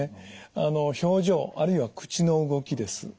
あの表情あるいは口の動きです。